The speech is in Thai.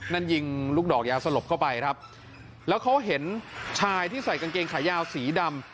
นั่นยิงลูกดอกยาสลบเข้าไปครับแล้วเขาเห็นชายที่ใส่กางเกงขายาวสีดำ